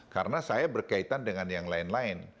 karena saya berkaitan dengan yang lain lain